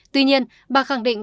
tuy nhiên bà khẳng định